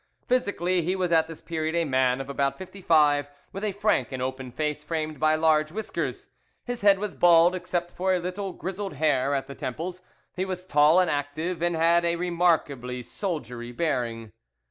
Physically he was at this period a man of about fifty five, with a frank and open face framed by large whiskers; his head was bald except for a little grizzled hair at the temples; he was tall and active, and had a remarkably soldierly bearing.